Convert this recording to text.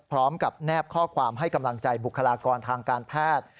แนบข้อความให้กำลังใจบุคลากรทางการแพทย์